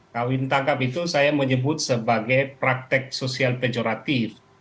kawin tangkap itu saya menyebut sebagai praktek sosial pejoratif